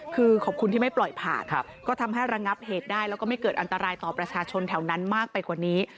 คือขอบคุณที่ไม่ปล่อยผ่านก็ทำให้ระงับเหตุได้แล้วก็ไม่เกิดอันตรายต่อประชาชนแถวนั้นมากไปกว่านี้